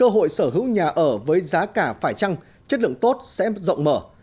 cơ hội sở hữu nhà ở với giá cả phải trăng chất lượng tốt sẽ rộng mở